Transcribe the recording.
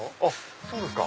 そうですか。